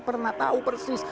pernah tahu persis